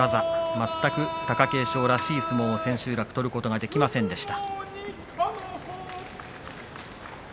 全く貴景勝らしい相撲を、千秋楽取ることはできませんでした。